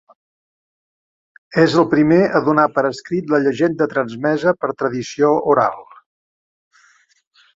És el primer a donar per escrit la llegenda transmesa per tradició oral.